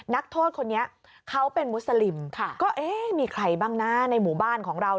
นักโทษคนนี้เขาเป็นมุสลิมก็เอ๊ะมีใครบ้างนะในหมู่บ้านของเรา